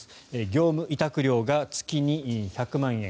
業務委託料が月に１００万円。